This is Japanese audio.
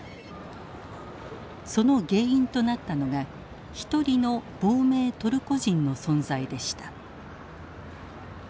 その原因となったのが一人の亡命トルコ人の存在でした。